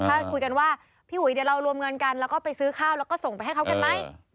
ถ้าคุยกันว่าพี่อุ๋ยเดี๋ยวเรารวมเงินกันแล้วก็ไปซื้อข้าวแล้วก็ส่งไปให้เขากันไหม